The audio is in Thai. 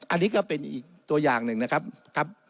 อันนี้ก็เป็นอีกตัวอย่างหนึ่งนะครับ